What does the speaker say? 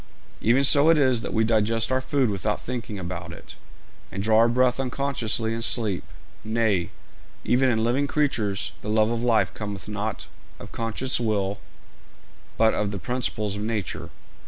Even so is it that we digest our food without thinking about it, and draw our breath unconsciously in sleep; nay, even in living creatures the love of life cometh not of conscious will, but from the principles of nature.